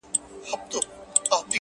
د خپل جېبه د سگريټو يوه نوې قطۍ وا کړه ـ